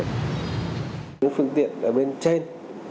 một phương tiện ở bên trên